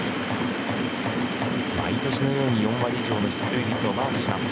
毎年のように４割以上の出塁率をマークします。